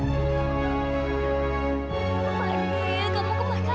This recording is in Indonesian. fadil kamu kemana